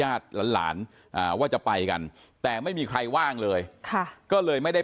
หลานหลานว่าจะไปกันแต่ไม่มีใครว่างเลยค่ะก็เลยไม่ได้